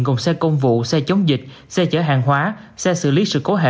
gồm xe công vụ xe chống dịch xe chở hàng hóa xe xử lý sự cố hệ